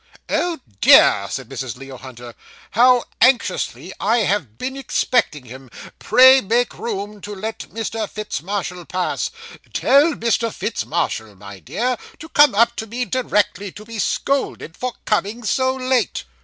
'Oh dear,' said Mrs. Leo Hunter, 'how anxiously I have been expecting him. Pray make room, to let Mr. Fitz Marshall pass. Tell Mr. Fitz Marshall, my dear, to come up to me directly, to be scolded for coming so late.